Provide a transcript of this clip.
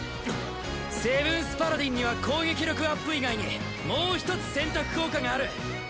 セブンス・パラディンには攻撃力アップ以外にもう一つ選択効果がある。